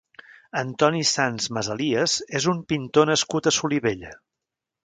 Antoni Sans Masalias és un pintor nascut a Solivella.